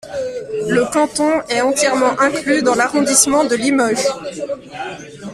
Le canton est entièrement inclus dans l'arrondissement de Limoges.